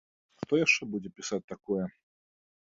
А хто яшчэ будзе пісаць такое?